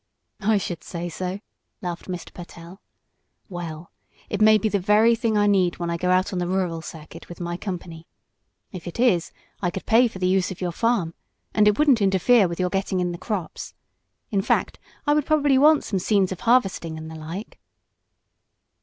"I should say so," laughed Mr. Pertell. "Well, it may be the very thing I need when I go out on the rural circuit with my company. If it is, I could pay for the use of your farm, and it wouldn't interfere with your getting in the crops. In fact, I would probably want some scenes of harvesting, and the like."